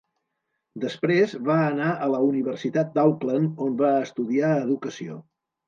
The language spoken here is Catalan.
Després va anar a la Universitat d'Auckland, on va estudiar Educació.